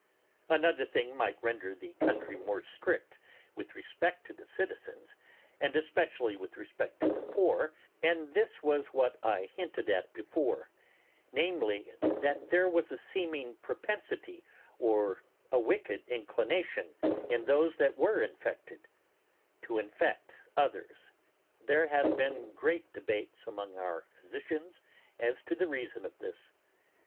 Another thing might render the country more strict with respect to the citizens, and especially with respect to the poor, and this was what I hinted at before: namely, that there was a seeming propensity or a wicked inclination in those that were infected to infect others. There have been great debates among our physicians as to the reason of this.